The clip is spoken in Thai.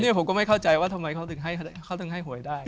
นี่ผมก็ไม่เข้าใจว่าทำไมเขาถึงให้หวยได้